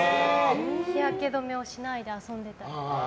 日焼け止めをしないで遊んでたら。